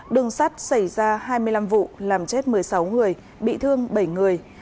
đường sắt xảy ra hai mươi năm vụ làm chết một mươi sáu người bị thương bảy người